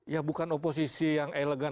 ya bukan oposisi yang elegan